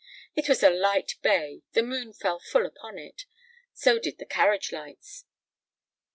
"It was a light bay—the moon fell full upon it—so did the carriage lights."